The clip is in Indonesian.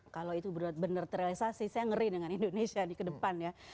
kalau itu benar benar terrealisasi saya ngeri dengan indonesia di kedepan ya